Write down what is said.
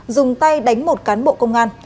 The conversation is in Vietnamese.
dùng tay đánh một cán bộ công an